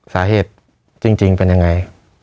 สาเหตุจริงเป็นยังไง